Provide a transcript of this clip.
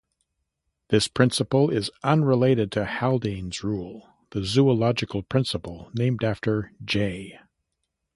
This principle is unrelated to Haldane's rule, the zoological principle named after J.